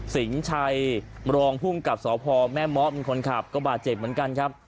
สิงชัยรองภูมิกับสพแม่เมาะเป็นคนขับก็บาดเจ็บเหมือนกันครับ